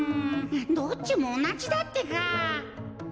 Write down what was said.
どっちもおなじだってか。